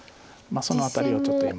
その辺りをちょっと今。